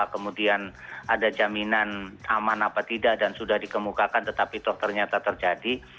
kemudian ada jaminan aman apa tidak dan sudah dikemukakan tetapi toh ternyata terjadi